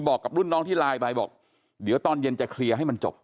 บอกกับรุ่นน้องที่ไลน์ไปบอกเดี๋ยวตอนเย็นจะเคลียร์ให้มันจบ